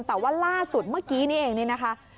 แต่ว่าล่าสุดเมื่อกี้นี่เองนี่นะคะ